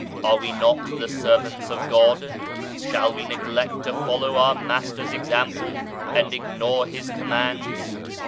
Are we not the Servants of God ? Shall we neglect to follow our Master's Example, and ignore His Com mands